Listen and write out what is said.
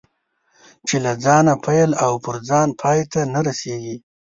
چې له ځانه پیل او پر ځان پای ته نه رسېږي.